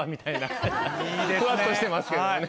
フワッとしてますけどね。